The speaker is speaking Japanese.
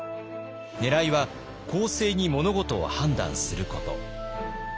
ねらいは公正に物事を判断すること。